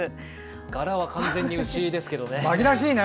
柄は完全に牛ですけどね。